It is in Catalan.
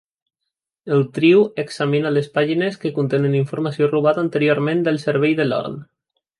El trio examina les pàgines que contenen informació robada anteriorment del cervell de Lorne.